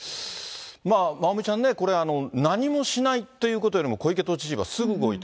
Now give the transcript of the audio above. まあ、まおみちゃんね、これ、何もしないということよりも、小池都知事はすぐ動いた。